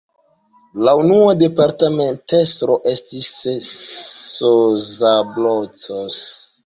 La unua departementestro estis "Szabolcs".